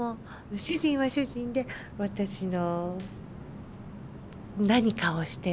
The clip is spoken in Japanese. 主人は主人で私の何かをしたい。